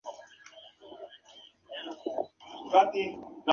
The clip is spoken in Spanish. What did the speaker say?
La mirada del asesino.